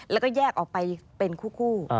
แล้วก็แยกออกไปเป็นคู่